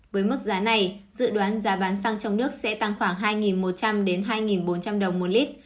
với mức giá này dự đoán giá bán xăng trong nước sẽ tăng khoảng hai một trăm linh hai bốn trăm linh đồng một lít